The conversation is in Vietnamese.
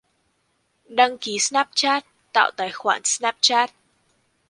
Đăng ký Snapchat, tạo tài khoản Snapchat